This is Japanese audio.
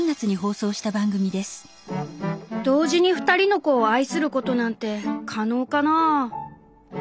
「同時に２人の子を愛することなんて可能かなあ」。